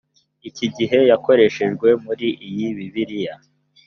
iki gihe yakoreshejwe muri iyi bibiliya